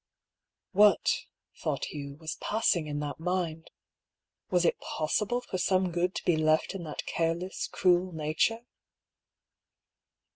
What, thought Hugh, was passing in that mind? Was it possible for some good to be left in that careless, cruel nature?